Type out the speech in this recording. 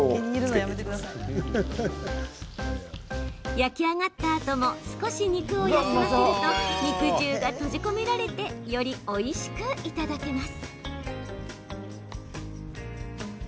焼き上がったあとも少し肉を休ませると肉汁が閉じ込められてよりおいしくいただけます。